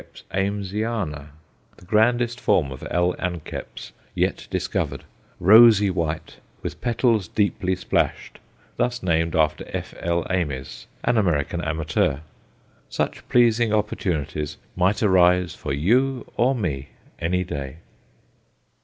Amesiana_, the grandest form of L. anceps yet discovered rosy white, with petals deeply splashed; thus named after F.L. Ames, an American amateur. Such pleasing opportunities might arise for you or me any day.